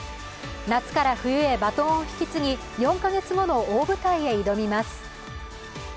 夏から冬へバトンを引き継ぎ４カ月後の大舞台へ挑みます。